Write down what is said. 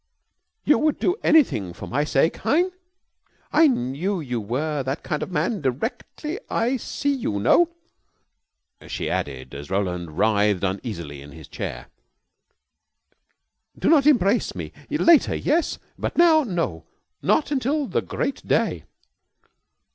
"You would do anything for my sake, hein? I knew you were that kind of man directly I see you. No," she added, as Roland writhed uneasily in his chair, "do not embrace me. Later, yes, but now, no. Not till the Great Day."